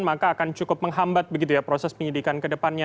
maka akan cukup menghambat begitu ya proses penyidikan ke depannya